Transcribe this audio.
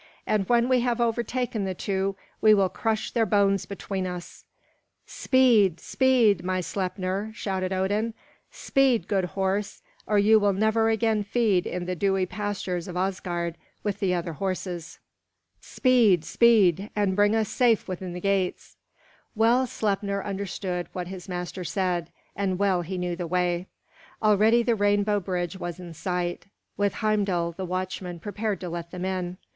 And when we have overtaken the two, we will crush their bones between us!" "Speed, speed, my Sleipnir!" shouted Odin. "Speed, good horse, or you will never again feed in the dewy pastures of Asgard with the other horses. Speed, speed, and bring us safe within the gates!" Well Sleipnir understood what his master said, and well he knew the way. Already the rainbow bridge was in sight, with Heimdal the watchman prepared to let them in.